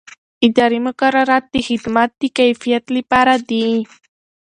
اداري مقررات د خدمت د کیفیت لپاره دي.